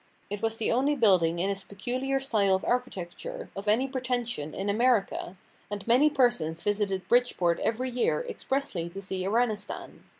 It was the only building in its peculiar style of architecture, of any pretension, in America, and many persons visited Bridgeport every year expressly to see Iranistan.